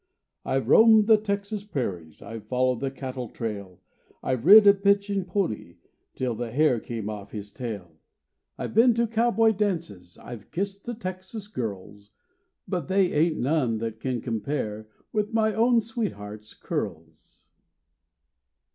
I've roamed the Texas prairies, I've followed the cattle trail, I've rid a pitching pony Till the hair came off his tail. I've been to cowboy dances, I've kissed the Texas girls, But they ain't none what can compare With my own sweetheart's curls.